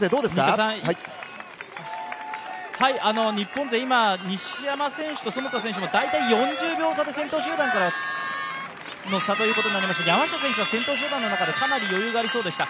日本勢、西山選手と其田選手は大体４０秒差、先頭集団との差ということになりますが山下選手は先頭集団の中でもかなり余裕がありそうでした。